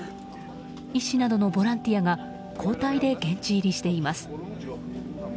医師などのボランティアが交代で現地入りしています。